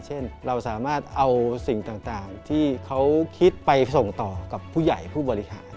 เช่นเราสามารถเอาสิ่งต่างที่เขาคิดไปส่งต่อกับผู้ใหญ่ผู้บริหาร